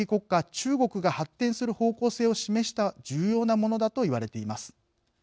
中国が発展する方向性を示した重要なものだと言われています。